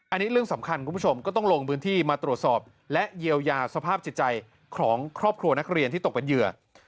อันนี้เรื่องสำคัญคุณผู้ชมก็ต้องลงพื้นที่มาตรวจสอบและเยียวยาสภาพจิตใจของครอบครัวนักเรียนที่ตกเป็นเหยื่อ